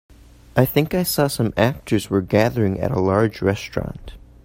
I think I saw some actors were gathering at a large restaurant.